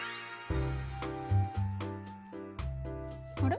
あれ？